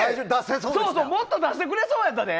そうそうもっと出してくれそうやったで！